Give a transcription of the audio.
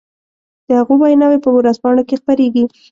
د هغو ويناوې په ورځپانو کې خپرېږي.